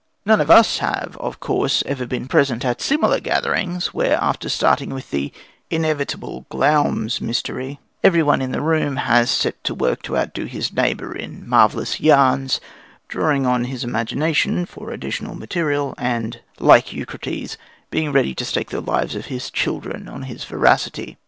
None of us have, of course, ever been present at similar gatherings, where, after starting with the inevitable Glamis mystery, everybody in the room has set to work to outdo his neighbour in marvellous yarns, drawing on his imagination for additional material, and, like Eucrates, being ready to stake the lives of his children on his veracity.